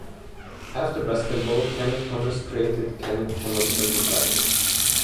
After basketball Kenny Thomas created Kenny Thomas Enterprises.